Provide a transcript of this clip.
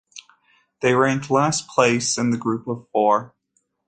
They ranked last place in the group of four.